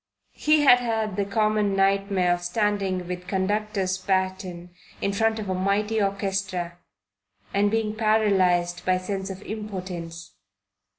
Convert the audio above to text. He had had the common nightmare of standing with conductor's baton in front of a mighty orchestra and being paralyzed by sense of impotence.